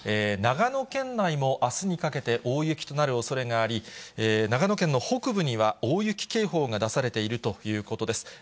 長野県内もあすにかけて大雪となるおそれがあり、長野県の北部には大雪警報が出されているということです。